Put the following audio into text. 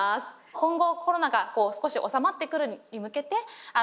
今後コロナが少し収まってくるに向けてあのまあ